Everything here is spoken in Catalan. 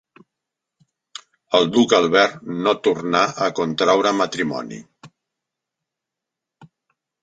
El duc Albert no tornà a contraure matrimoni.